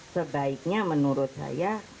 sebaiknya menurut saya